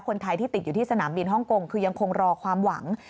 คนไทยที่ติดอยู่ที่สนามบินฮ่องกงคือยังคงรอความหวัง